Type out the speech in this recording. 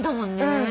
うん。